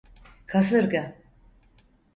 Kasırga!